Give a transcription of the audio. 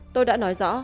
tôi đã nói rõ